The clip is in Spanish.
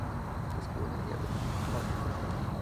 Escribió una "Guía del Diplomático Español".